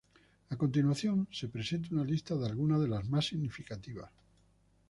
A continuación se presenta una lista de algunas de las más significativas.